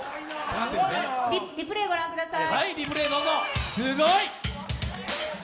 リプレーご覧ください。